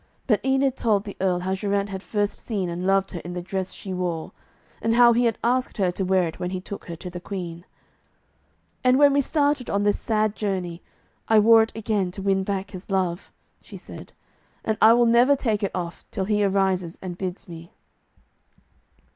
But Enid told the Earl how Geraint had first seen and loved her in the dress she wore, and how he had asked her to wear it when he took her to the Queen. 'And when we started on this sad journey, I wore it again, to win back his love,' she said, 'and I will never take it off till he arises and bids me.'